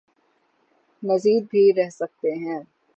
مزید بھی رہ سکتے ہیں۔